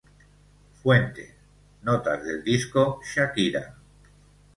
Fuente: Notas del disco "Shakira"